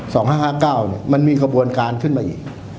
สองห้าห้าเก้าเนี่ยมันมีขบวนการขึ้นมาอีก